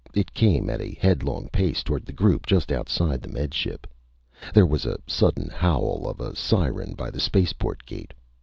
It came at a headlong pace toward the group just outside the Med Ship. There was a sudden howl of a siren by the spaceport gate.